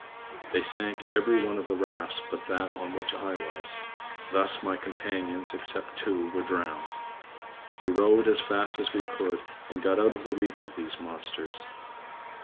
They sank every one of the rafts but that on which I was; thus all my companions, except two, were drowned. We rowed as fast as we could, and got out of the reach of these monsters.